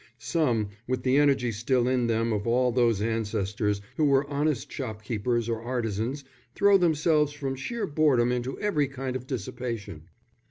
Some, with the energy still in them of all those ancestors who were honest shopkeepers or artisans, throw themselves from sheer boredom into every kind of dissipation."